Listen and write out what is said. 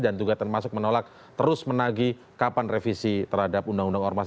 dan juga termasuk menolak terus menagi kapan revisi terhadap undang undang ormas